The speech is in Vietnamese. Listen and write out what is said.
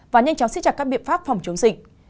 và nhanh chóng xiết chặt các biện pháp phòng chống dịch